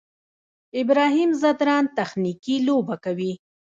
ابراهیم ځدراڼ تخنیکي لوبه کوي.